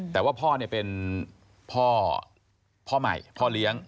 แต่ว่าพ่อเป็นพ่อพ่อใหม่พ่อเลี้ยง